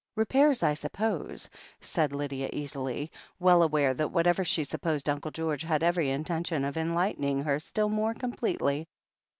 "Repairs, I suppose," said Lydia easily, well aware that whatever she supposed Uncle George had every intention of enlightening her still more completely.